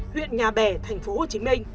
huyện nhà bè tp hcm